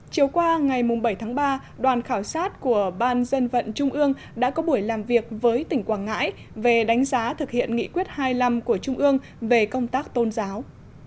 chiều qua ngày bảy tháng ba đoàn khảo sát của ban dân vận trung ương đã có buổi làm việc với tỉnh quảng ngãi về đánh giá thực hiện nghị quyết hai mươi năm của tỉnh quảng ngãi